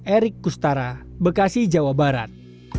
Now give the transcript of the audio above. erik kustara bekasi jawa barat